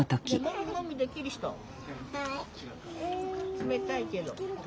冷たいけど。